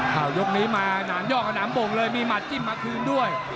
ยกนี้มาหนามย่อกับหนามบ่งเลยมีหัดจิ้มมาคืนด้วย